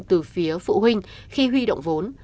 từ phía phụ huynh khi huy động vốn